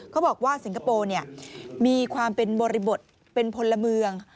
บอกว่าสิงคโปร์มีความเป็นบริบทเป็นพลเมือง